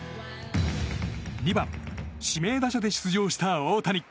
２番、指名打者で出場した大谷。